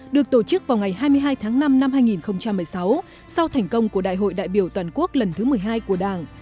được tổ chức vào ngày hai mươi hai tháng năm năm hai nghìn một mươi sáu sau thành công của đại hội đại biểu toàn quốc lần thứ một mươi hai của đảng